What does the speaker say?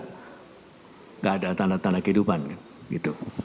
enggak ada tanda tanda kehidupan gitu